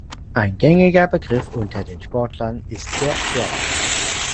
Ein gängiger Begriff unter den Sportlern ist der "Drop".